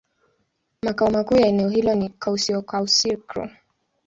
Makao makuu ya eneo hilo ni Kouassi-Kouassikro.